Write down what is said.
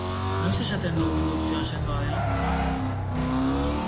Noiz esaten dugu indukzioa sendoa dela?